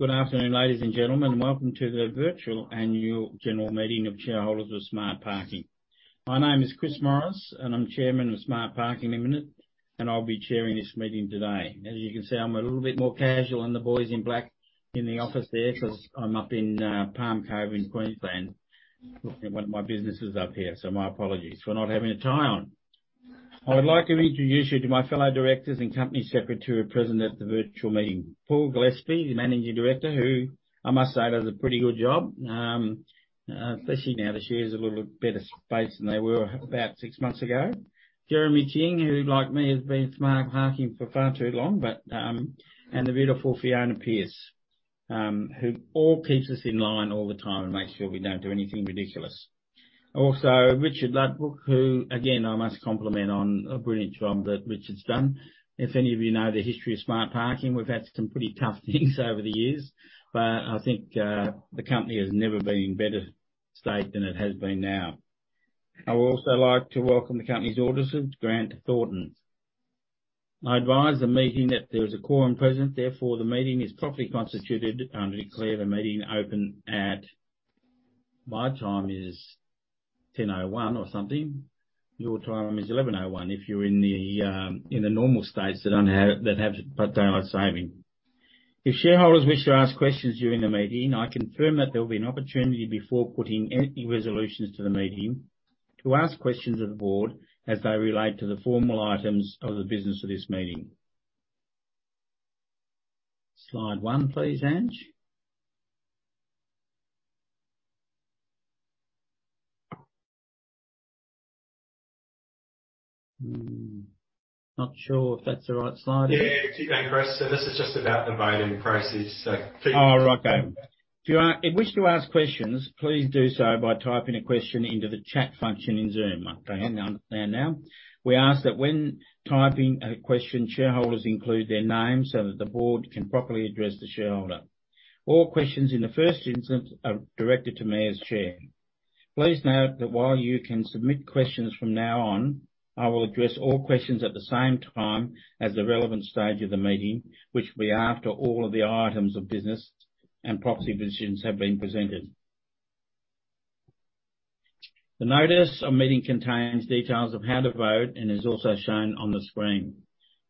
Good afternoon, ladies and gentlemen. Welcome to the virtual Annual General Meeting of Shareholders of Smart Parking. My name is Chris Morris, and I'm Chairman of Smart Parking Limited, and I'll be chairing this meeting today. As you can see, I'm a little bit more casual than the boys in black in the office there because I'm up in Palm Cove in Queensland looking at one of my businesses up here. My apologies for not having a tie on. I would like to introduce you to my fellow directors and Company Secretary present at the virtual meeting. Paul Gillespie, the Managing Director, who I must say, does a pretty good job, especially now the shares a little better space than they were about six months ago. Jeremy King, who like me has been at Smart Parking for far too long. The beautiful Fiona Pearse, who all keeps us in line all the time and makes sure we don't do anything ridiculous. Also, Richard Ludbrook, who again, I must compliment on a brilliant job that Richard's done. If any of you know the history of Smart Parking, we've had some pretty tough things over the years, but I think the company has never been in a better state than it has been now. I would also like to welcome the company's auditors, Grant Thornton. I advise the meeting that there is a quorum present, therefore the meeting is properly constituted and declare the meeting open. My time is 10:01 A.M. or something. Your time is 11:01 A.M. if you're in the normal states that have daylight saving. If shareholders wish to ask questions during the meeting, I confirm that there will be an opportunity before putting any resolutions to the meeting to ask questions of the board as they relate to the formal items of the business of this meeting. Slide one please, Ange. Not sure if that's the right slide. Yeah. Keep going, Chris. This is just about the voting process. Oh, okay. If you wish to ask questions, please do so by typing a question into the chat function in Zoom. Okay, now. We ask that when typing a question, shareholders include their name so that the board can properly address the shareholder. All questions in the first instance are directed to me as Chair. Please note that while you can submit questions from now on, I will address all questions at the same time as the relevant stage of the meeting, which will be after all of the items of business and proxy positions have been presented. The notice of meeting contains details of how to vote and is also shown on the screen.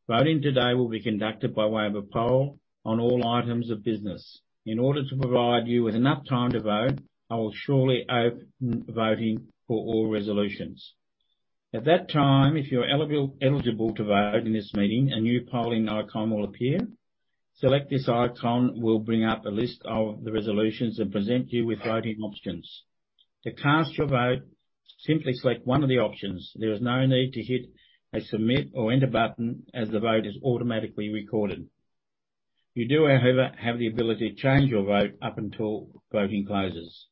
Voting today will be conducted by way of a poll on all items of business. In order to provide you with enough time to vote, I will shortly open voting for all resolutions. At that time, if you're eligible to vote in this meeting, a new polling icon will appear. Selecting this icon will bring up a list of the resolutions and present you with voting options. To cast your vote, simply select one of the options. There is no need to hit a submit or enter button as the vote is automatically recorded. You do, however, have the ability to change your vote up until voting closes.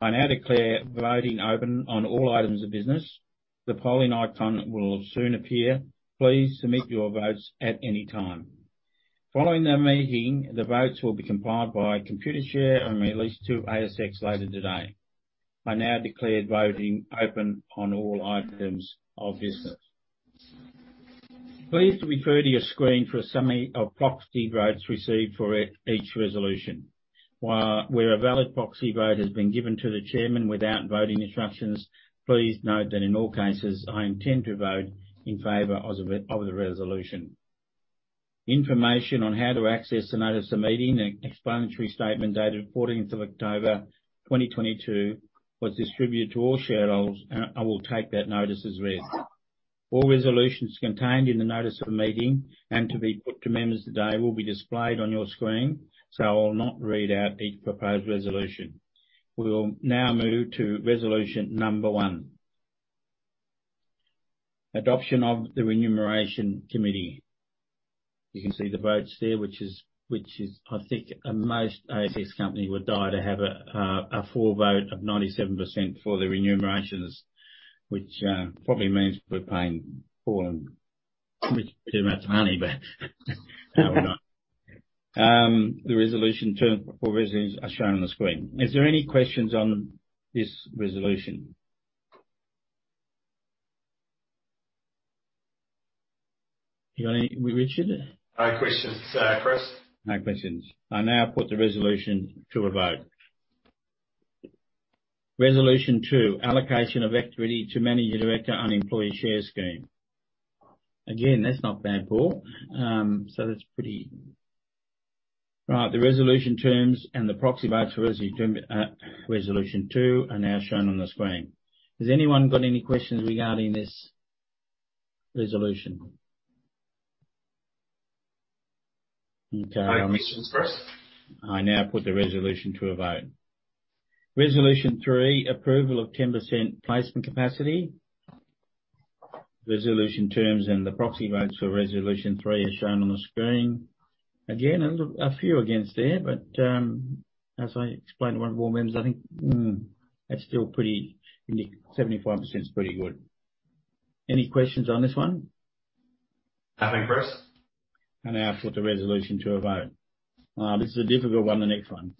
I now declare voting open on all items of business. The polling icon will soon appear. Please submit your votes at any time. Following the meeting, the votes will be compiled by Computershare and released to ASX later today. I now declare voting open on all items of business. Please refer to your screen for a summary of proxy votes received for each resolution. Where a valid proxy vote has been given to the Chairman without voting instructions, please note that in all cases, I intend to vote in favor of the resolution. Information on how to access the notice of the meeting and explanatory statement dated 14th of October 2022 was distributed to all shareholders, and I will take that notice as read. All resolutions contained in the notice of the meeting and to be put to members today will be displayed on your screen, so I will not read out each proposed resolution. We will now move to resolution number one, Adoption of the Remuneration Report. You can see the votes there, which is I think most ASX company would die to have a full vote of 97% for their remunerations, which probably means we're paying Paul and Richard too much money, but no, we're not. The resolutions are shown on the screen. Is there any questions on this resolution? You got any, Richard? No questions, Chris. No questions. I now put the resolution to a vote. Resolution two, allocation of equity to managing director and employee share scheme. Again, that's not bad, Paul. All right, the resolution terms and the proxy votes for Resolution two are now shown on the screen. Has anyone got any questions regarding this resolution? Okay, no questions, Chris. I now put the resolution to a vote. Resolution three, approval of 10% placement capacity. Resolution terms and the proxy votes for Resolution three are shown on the screen. Again, a few against there. As I explained to one of our members, I think 75% is pretty good. Any questions on this one? Nothing, Chris. I now put the resolution to a vote. This is a difficult one, the next one.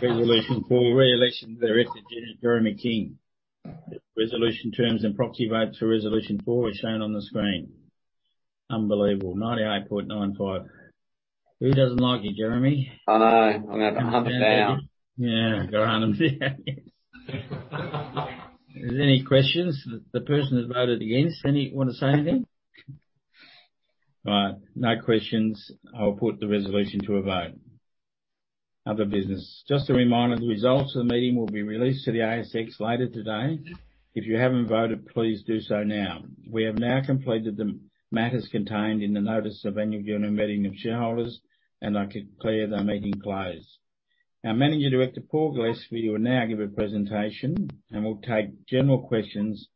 Resolution four. Reelection of the Director, Jeremy King. Resolution terms and proxy vote for Resolution 4 as shown on the screen. Unbelievable. 98.95%. Who doesn't like you, Jeremy? I know. I'm gonna have to hunt her down. Yeah. Go on. If there's any questions? The person who's voted against, want to say anything? Right. No questions. I'll put the resolution to a vote. Other business. Just a reminder, the results of the meeting will be released to the ASX later today. If you haven't voted, please do so now. We have now completed the matters contained in the notice of annual general meeting of shareholders, and I could declare the meeting closed. Our Managing Director, Paul Gillespie, will now give a presentation, and we'll take general questions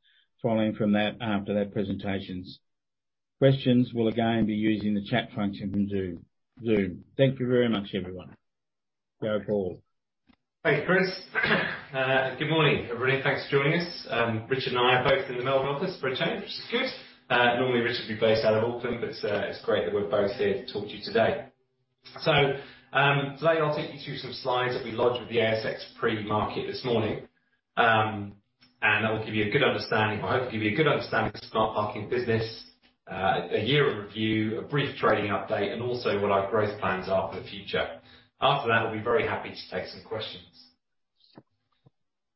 after that presentations. Questions, we'll again be using the chat function from Zoom. Thank you very much, everyone. Go, Paul. Thanks, Chris. Good morning, everybody. Thanks for joining us. Rich and I are both in the Melbourne office for a change, which is good. Normally Rich would be based out of Auckland, but it's great that we're both here to talk to you today. Today I'll take you through some slides that we lodged with the ASX premarket this morning, and that will give you a good understanding or hopefully give you a good understanding of the Smart Parking business, a year in review, a brief trading update, and also what our growth plans are for the future. After that, I'll be very happy to take some questions. Not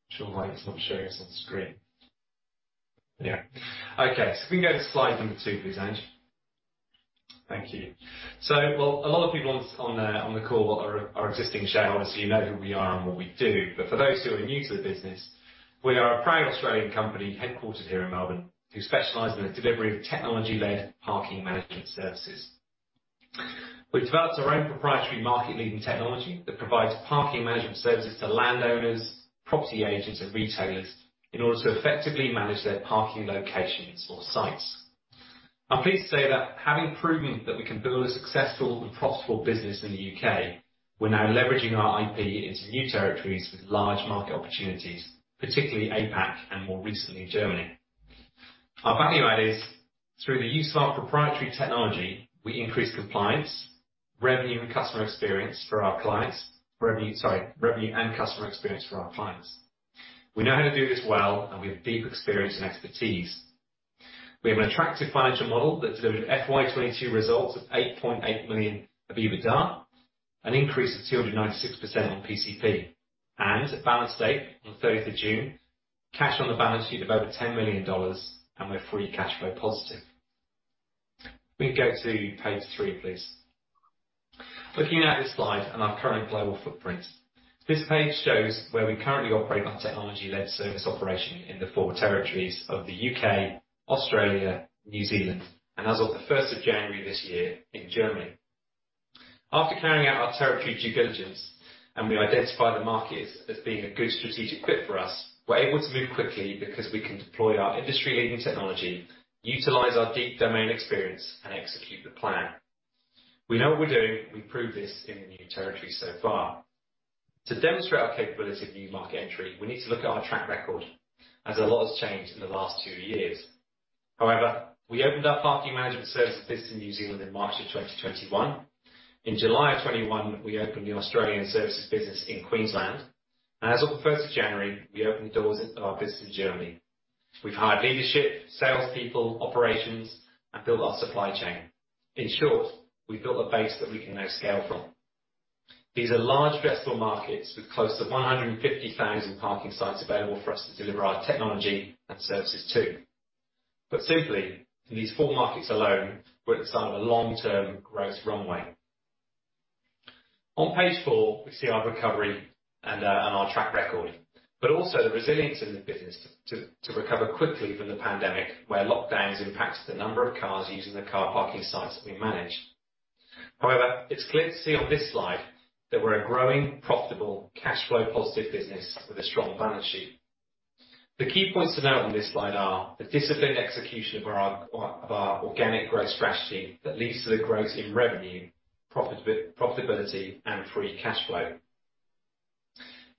sure why it's not showing us on the screen. Yeah. Okay. We can go to slide number two, please, Ange. Thank you. Well, a lot of people on the call are existing shareholders, so you know who we are and what we do. For those who are new to the business, we are a proud Australian company, headquartered here in Melbourne, who specialize in the delivery of technology-led parking management services. We've developed our own proprietary market-leading technology that provides parking management services to landowners, property agents, and retailers in order to effectively manage their parking locations or sites. I'm pleased to say that having proven that we can build a successful and profitable business in the U.K., we're now leveraging our I.P. into new territories with large market opportunities, particularly APAC and more recently, Germany. Our value add is through the use of our proprietary technology. We increase compliance, revenue, and customer experience for our clients. We know how to do this well, and we have deep experience and expertise. We have an attractive financial model that delivered FY 2022 results of 8.8 million of EBITDA, an increase of 296% on PCP. At balance date, on the 30 June, cash on the balance sheet of over 10 million dollars, and we're free cash flow positive. Can we go to page three, please? Looking at this slide and our current global footprints. This page shows where we currently operate our technology-led service operation in the four territories of the U.K., Australia, New Zealand, and as of the 1 January this year, in Germany. After carrying out our territory due diligence, and we identified the markets as being a good strategic fit for us, we're able to move quickly because we can deploy our industry-leading technology, utilize our deep domain experience, and execute the plan. We know what we're doing. We've proved this in the new territory so far. To demonstrate our capability of new market entry, we need to look at our track record, as a lot has changed in the last two years. However, we opened our parking management services business in New Zealand in March of 2021. In July of 2021, we opened the Australian services business in Queensland. As of the 1 January, we opened the doors of our business in Germany. We've hired leadership, salespeople, operations, and built our supply chain. In short, we've built a base that we can now scale from. These are large addressable markets with close to 150,000 parking sites available for us to deliver our technology and services to. Put simply, in these four markets alone, we're at the start of a long-term growth runway. On page four, we see our recovery and our track record, but also the resilience in the business to recover quickly from the pandemic, where lockdowns impacted the number of cars using the car parking sites that we manage. However, it's clear to see on this slide that we're a growing, profitable, cash flow positive business with a strong balance sheet. The key points to note on this slide are the disciplined execution of our organic growth strategy that leads to the growth in revenue, profitability, and free cash flow.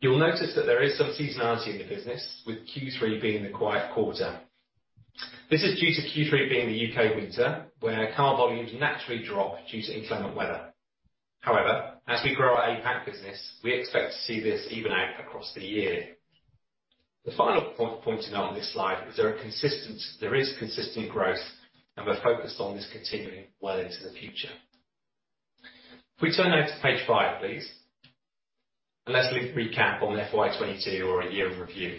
You'll notice that there is some seasonality in the business with Q3 being the quiet quarter. This is due to Q3 being the U.K. winter, where car volumes naturally drop due to inclement weather. However, as we grow our APAC business, we expect to see this even out across the year. The final point to note on this slide is there is consistent growth, and we're focused on this continuing well into the future. If we turn now to page five, please, and let's do the recap on FY 2022 or our year in review.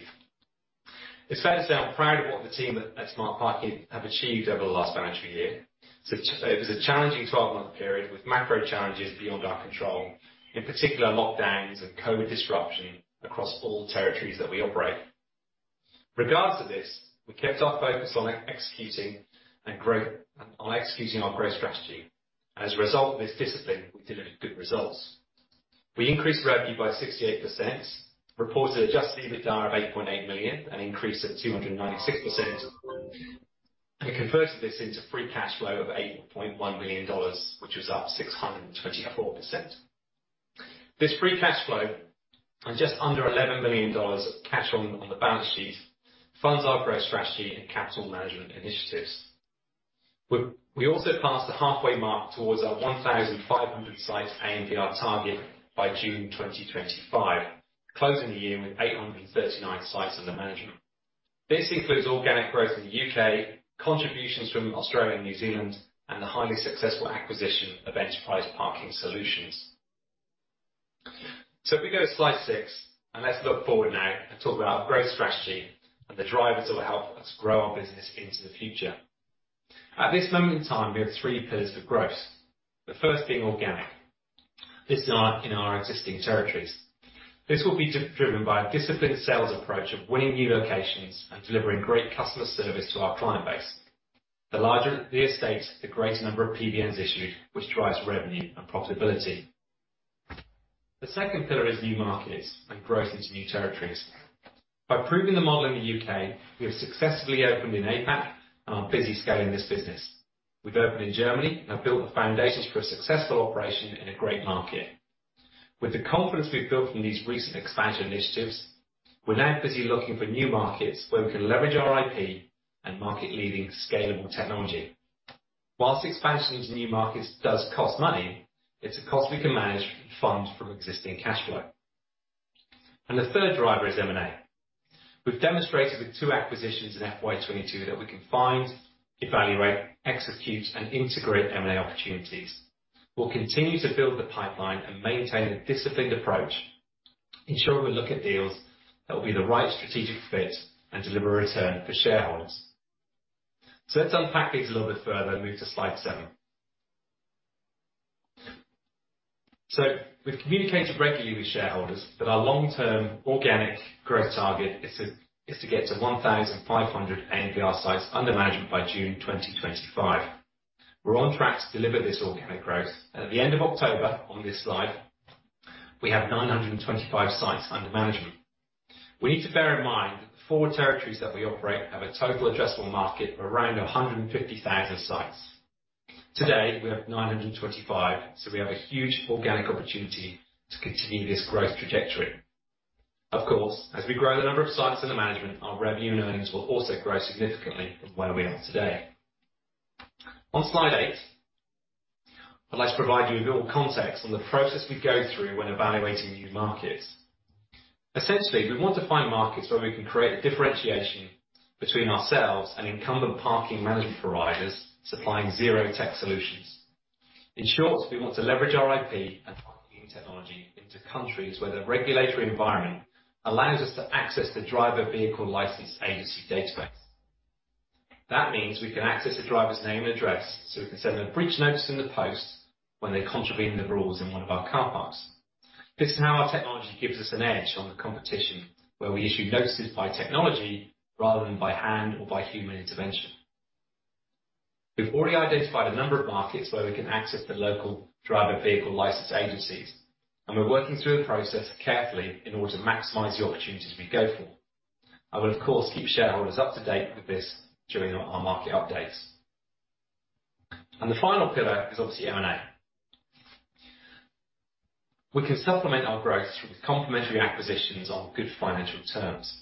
It's fair to say I'm proud of what the team at Smart Parking have achieved over the last financial year. It was a challenging 12-month period with macro-challenges beyond our control, in particular, lockdowns and COVID disruption across all the territories that we operate. Regardless of this, we kept our focus on executing our growth strategy. As a result of this discipline, we delivered good results. We increased revenue by 68%, reported Adjusted EBITDA of 8.8 million, an increase of 296%. We converted this into free cash flow of 8.1 million dollars, which was up 624%. This free cash flow and just under 11 million dollars of cash on the balance sheet funds our growth strategy and capital management initiatives. We also passed the halfway mark towards our 1,500 sites ANPR target by June 2025, closing the year with 839 sites under management. This includes organic growth in the U.K., contributions from Australia and New Zealand, and the highly successful acquisition of Enterprise Parking Solutions. So if we go to slide six, and let's look forward now and talk about our growth strategy and the drivers that will help us grow our business into the future. At this moment in time, we have three pillars for growth. The first being organic. This is our-- in our existing territories. This will be driven by a disciplined sales approach of winning new locations and delivering great customer service to our client base. The larger the estate, the greater number of PBNs issued, which drives revenue and profitability. The second pillar is new markets and growth into new territories. By proving the model in the U.K., we have successfully opened in APAC and are busy scaling this business. We've opened in Germany and have built the foundations for a successful operation in a great market. With the confidence we've built from these recent expansion initiatives, we're now busy looking for new markets where we can leverage our IP and market-leading scalable technology. Whilst expansion into new markets does cost money, it's a cost we can manage and fund from existing cash flow. The third driver is M&A. We've demonstrated with two acquisitions in FY 2022 that we can find, evaluate, execute, and integrate M&A opportunities. We'll continue to build the pipeline and maintain a disciplined approach, ensuring we look at deals that will be the right strategic fit and deliver a return for shareholders. Let's unpack these a little bit further and move to slide seven. We've communicated regularly with shareholders that our long-term organic growth target is to get to 1,500 ANPR sites under management by June 2025. We're on track to deliver this organic growth, and at the end of October, on this slide, we have 925 sites under management. We need to bear in mind that the four territories that we operate have a total addressable market of around 150,000 sites. Today, we have 925, so we have a huge organic opportunity to continue this growth trajectory. Of course, as we grow the number of sites under management, our revenue and earnings will also grow significantly from where we are today. On slide eight, I'd like to provide you with a little context on the process we go through when evaluating new markets. Essentially, we want to find markets where we can create differentiation between ourselves and incumbent parking management providers supplying zero tech solutions. In short, we want to leverage our IP and parking technology into countries where the regulatory environment allows us to access the Driver and Vehicle Licensing Agency database. That means we can access the driver's name and address, so we can send them a Breach Notice in the post when they're contravening the rules in one of our car parks. This is how our technology gives us an edge on the competition, where we issue notices by technology rather than by hand or by human intervention. We've already identified a number of markets where we can access the local Driver and Vehicle Licensing Agencies, and we're working through a process carefully in order to maximize the opportunities we go for. I will, of course, keep shareholders up to date with this during our market updates. The final pillar is obviously M&A. We can supplement our growth through complementary acquisitions on good financial terms.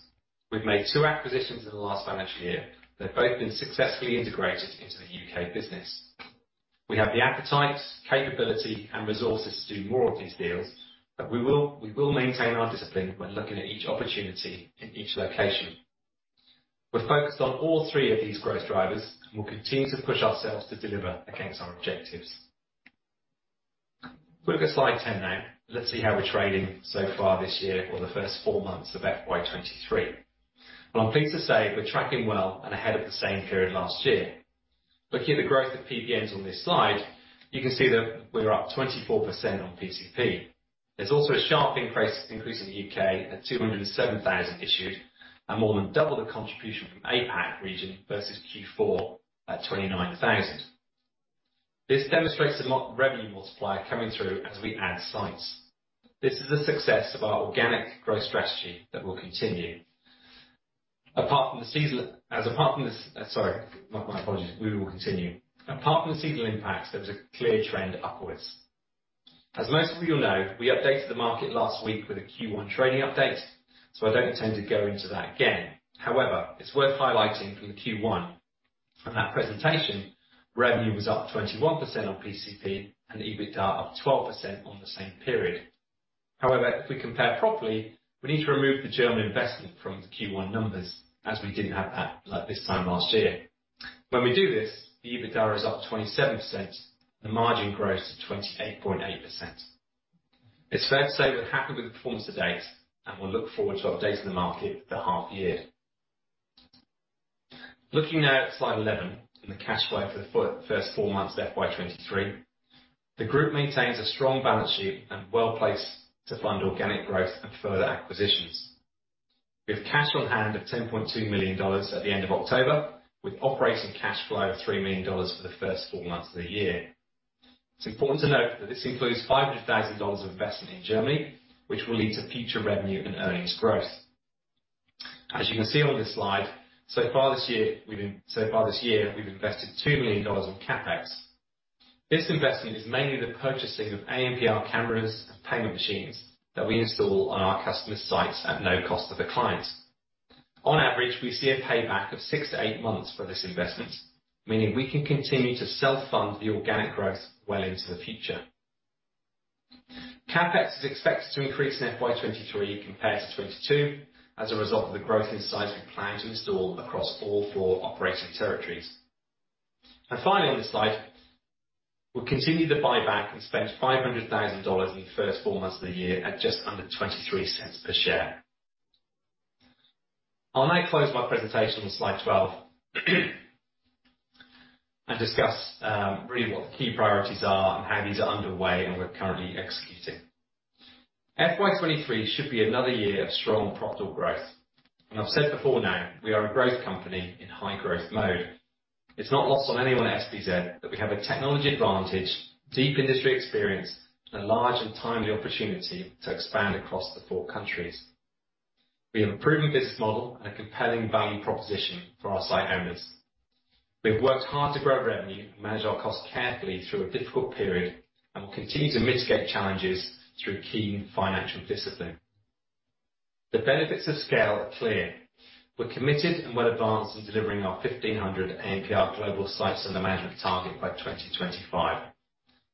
We've made two acquisitions in the last financial year. They've both been successfully integrated into the U.K. business. We have the appetite, capability, and resources to do more of these deals, but we will maintain our discipline when looking at each opportunity in each location. We're focused on all three of these growth drivers, and we'll continue to push ourselves to deliver against our objectives. If we look at slide 10 now, let's see how we're trading so far this year for the first four months of FY 2023. Well, I'm pleased to say we're tracking well and ahead of the same period last year. Looking at the growth of PBNs on this slide, you can see that we're up 24% on PCP. There's also a sharp increase in the U.K. at 207,000 issued, and more than double the contribution from APAC region versus Q4 at 29,000. This demonstrates the revenue multiplier coming through as we add sites. This is the success of our organic growth strategy that will continue. Apart from the seasonal impacts, there was a clear trend upwards. As most of you know, we updated the market last week with a Q1 trading update, so I don't intend to go into that again. However, it's worth highlighting from the Q1, from that presentation, revenue was up 21% on PCP and EBITDA up 12% on the same period. However, if we compare properly, we need to remove the German investment from the Q1 numbers as we didn't have that, like, this time last year. When we do this, the EBITDA is up 27%. The margin grows to 28.8%. It's fair to say we're happy with the performance to date, and we'll look forward to updating the market at the half year. Looking now at slide 11, and the cash flow for the first four months of FY 2023. The group maintains a strong balance sheet and well-placed to fund organic growth and further acquisitions. We have cash on hand of 10.2 million dollars at the end of October, with operating cash flow of 3 million dollars for the first four months of the year. It's important to note that this includes 500,000 dollars of investment in Germany, which will lead to future revenue and earnings growth. As you can see on this slide, so far this year, we've invested 2 million dollars on CapEx. This investment is mainly the purchasing of ANPR cameras and payment machines that we install on our customers' sites at no cost to the clients. On average, we see a payback of six months-eight months for this investment, meaning we can continue to self-fund the organic growth well into the future. CapEx is expected to increase in FY 2023 compared to 2022 as a result of the growth in sites we plan to install across all four operating territories. Finally, on this slide, we continued to buy back and spent 500,000 dollars in the first four months of the year at just under 0.23 per share. I'll now close my presentation on slide 12 and discuss really what the key priorities are and how these are underway, and we're currently executing. FY 2023 should be another year of strong profitable growth. I've said before now, we are a growth company in high growth mode. It's not lost on anyone at SPZ that we have a technology advantage, deep industry experience, and a large and timely opportunity to expand across the four countries. We have a proven business model and a compelling value proposition for our site owners. We've worked hard to grow revenue and manage our costs carefully through a difficult period, and we'll continue to mitigate challenges through keen financial discipline. The benefits of scale are clear. We're committed and well advanced in delivering our 1,500 ANPR global sites under management target by 2025.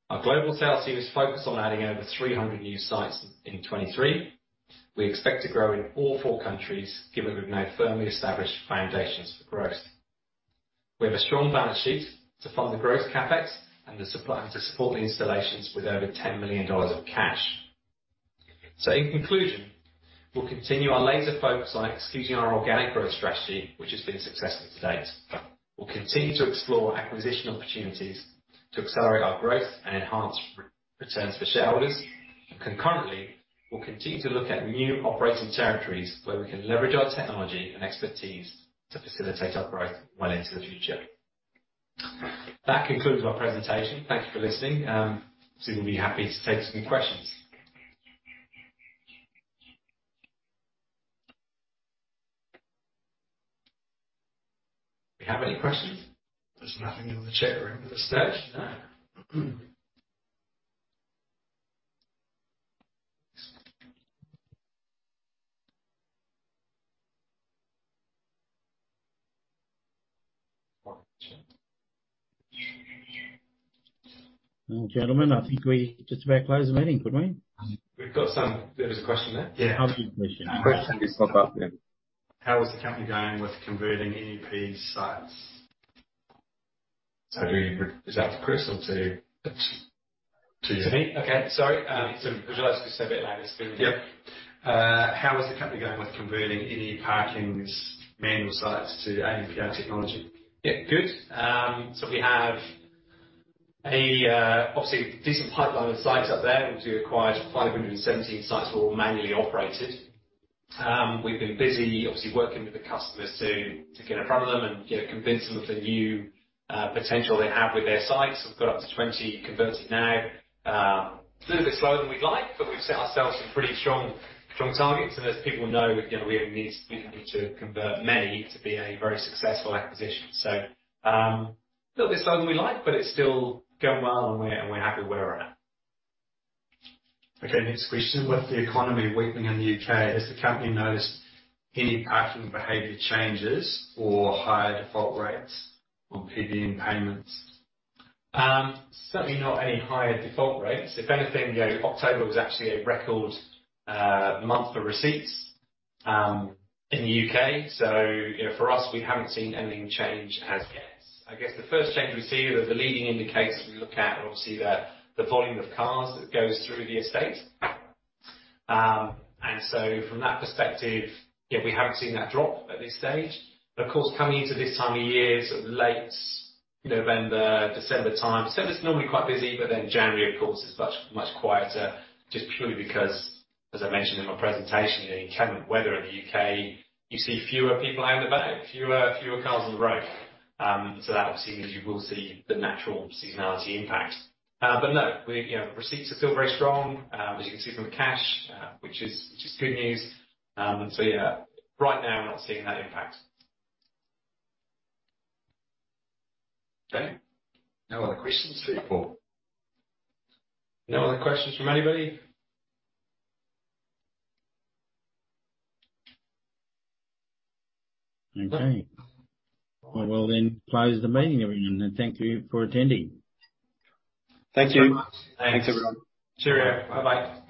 Our global sales team is focused on adding over 300 new sites in 2023. We expect to grow in all four countries, given we've now firmly established foundations for growth. We have a strong balance sheet to fund the growth CapEx to support the installations with over 10 million dollars of cash. In conclusion, we'll continue our laser focus on executing our organic growth strategy, which has been successful to date. We'll continue to explore acquisition opportunities to accelerate our growth and enhance returns for shareholders. Concurrently, we'll continue to look at new operating territories where we can leverage our technology and expertise to facilitate our growth well into the future. That concludes my presentation. Thank you for listening. We'll be happy to take some questions. Do we have any questions? There's nothing in the chat room at this stage. No. Well, gentlemen, I think we just about close the meeting, could we? There is a question there. Yeah. How is the company going with converting ANPR sites? Is that to Chris? To you. To me? Okay. Sorry. Can you just speak a bit louder, please? Yep. How is the company going with converting Enterprise Parking's manual sites to ANPR technology? Yeah. Good. We have a obviously decent pipeline of sites up there. Obviously acquired 517 sites that were all manually operated. We've been busy obviously working with the customers to get in front of them and, you know, convince them of the new potential they have with their sites. We've got up to 20 converted now. It's a little bit slower than we'd like, but we've set ourselves some pretty strong targets. As people know, you know, we only need to be able to convert many to be a very successful acquisition. Little bit slower than we like, but it's still going well and we're happy where we're at. Okay. Next question. With the economy weakening in the U.K., has the company noticed any parking behavior changes or higher default rates on PBN payments? Certainly not any higher default rates. If anything, you know, October was actually a record month for receipts in the U.K. You know, for us, we haven't seen anything change as yet. I guess the first change we see are the leading indicators we look at are obviously the volume of cars that goes through the estate. From that perspective, yeah, we haven't seen that drop at this stage. Of course, coming into this time of year, sort of late November, December time, December's normally quite busy. January of course is much quieter just purely because, as I mentioned in my presentation, the inclement weather in the U.K., you see fewer people out and about, fewer cars on the road. That obviously means you will see the natural seasonality impact. No, you know, receipts are still very strong, as you can see from the cash, which is good news. Yeah, right now I'm not seeing that impact. Okay. No other questions. Cool. No other questions from anybody? Okay. Well, we'll then close the meeting, everyone. Thank you for attending. Thank you. Thanks. Thanks, everyone. Cheerio. Bye-bye.